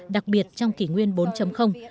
đặc biệt trong kỷ nguyên bốn